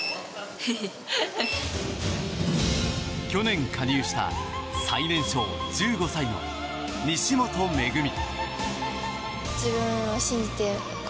去年加入した最年少、１５歳の西本愛実。